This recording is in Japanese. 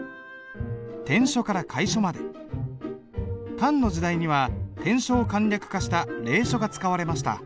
漢の時代には篆書を簡略化した隷書が使われました。